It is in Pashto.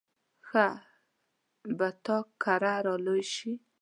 ښه به تا کره را لوی شي.